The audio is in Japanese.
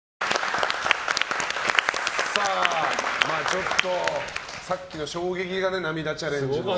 ちょっと、さっきの衝撃が涙チャレンジの。